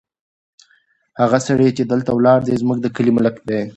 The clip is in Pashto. هغه سړی چې دلته ولاړ دی، زموږ د کلي ملک دی.